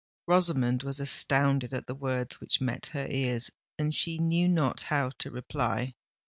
Rosamond was astounded at the words which met her ears; and she knew not how to reply.